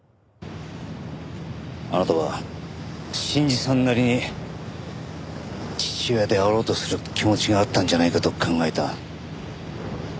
あなたは信二さんなりに父親であろうとする気持ちがあったんじゃないかと考えた。